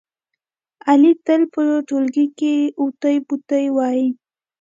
علي تل په ټولگي کې اوتې بوتې وایي.